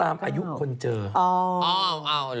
อ้าวอ้าวอ้าวหรือ